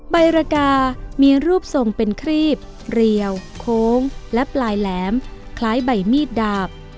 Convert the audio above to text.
ใบระกามีรูปทรงเป็นครีบเรียวโค้งและปลายแหลมคล้ายใบมีดดาบ